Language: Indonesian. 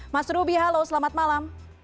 mas ruby halo selamat malam